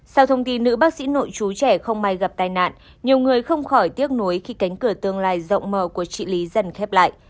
sau thông tin nữ bác sĩ nội chú trẻ không may gặp tai nạn nhiều người không khỏi tiếc nuối khi cánh cửa tương lai rộng mở của chị lý dần khép lại